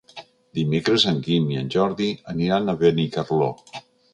Dimecres en Guim i en Jordi aniran a Benicarló.